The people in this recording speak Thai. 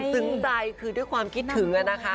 ซึ้งใจคือด้วยความคิดถึงนะคะ